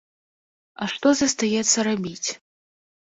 А што застаецца рабіць.